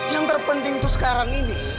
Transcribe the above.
yang terpenting itu sekarang ini